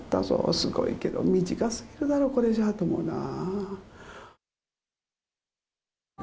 すごいけど、短すぎるだろ、これじゃと思うなぁ。